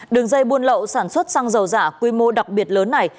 đường dây buôn lậu sản xuất xăng dầu giả quy mô đặc biệt lớn này